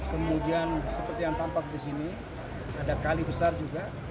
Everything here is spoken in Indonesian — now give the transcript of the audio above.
kemudian seperti yang tampak di sini ada kali besar juga